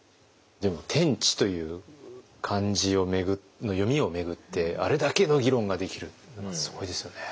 でも「天地」という漢字の読みを巡ってあれだけの議論ができるのはすごいですよね。